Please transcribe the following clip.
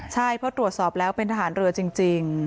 ใช่เพราะตรวจสอบแล้วเป็นทหารเรือจริง